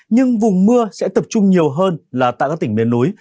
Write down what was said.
nhưng vùng mưa sẽ tập trung nhiều hơn là tại các tỉnh miền núi